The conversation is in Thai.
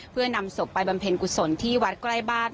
เพื่อนำศพไปบำเพ็ญกุศลที่วัดใกล้บ้าน